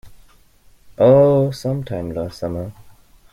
Oh, some time last summer.